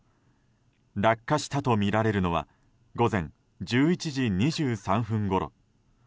落下したとみられるのは午前１１時２３分ごろ。